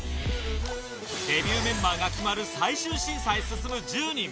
デビューメンバーが決まる最終審査へ進む１０人。